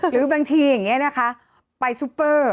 หรือบางทีอย่างนี้นะคะไปซุปเปอร์